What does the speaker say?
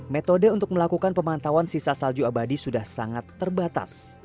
metode untuk melakukan pemantauan sisa salju abadi sudah sangat terbatas